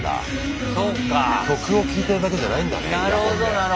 曲を聴いてるだけじゃないんだねイヤホンで。